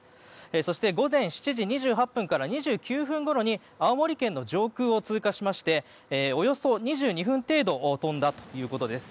そして、午前７時２８分から２９分ごろに青森県の上空を通過しましておよそ２２分程度飛んだということです。